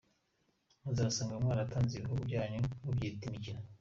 Muzasanga mwaratanze igihugu cyanyu mubyita imikino.